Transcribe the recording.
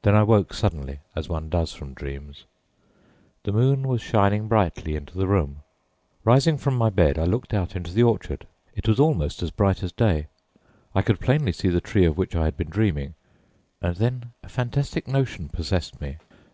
Then I woke suddenly as one does from dreams. The moon was shining brightly into the room. Rising from my bed, I looked out into the orchard. It was almost as bright as day. I could plainly see the tree of which I had been dreaming, and then a fantastic notion possessed me.